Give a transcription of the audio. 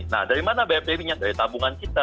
nah dari mana bayar premi nya dari tabungan kita